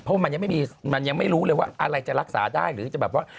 เพราะว่ามันยังไม่มีมันยังไม่รู้เลยว่าอะไรจะรักษาได้หรือจะแบบว่า